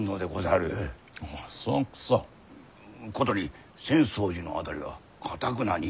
殊に浅草寺の辺りはかたくなに。